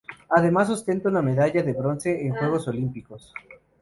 Además ostenta una medalla de bronce en Juegos Olímpicos.